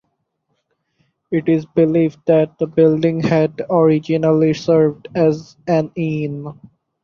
It is believed that the building had originally served as an inn.